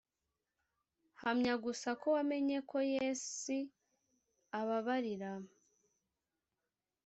hamya gusa ko wamenye ko yes' ababarira.